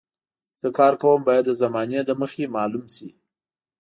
زه کار کوم باید د زمانې له مخې معلوم شي.